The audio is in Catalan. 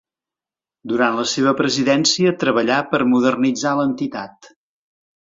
Durant la seva presidència treballà per modernitzar l'entitat.